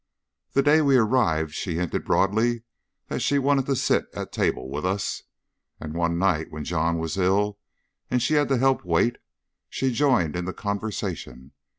The day we arrived she hinted broadly that she wanted to sit at table with us, and one night when John was ill and she had to help wait, she joined in the conversation.